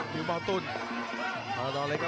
โดนเล็กครับ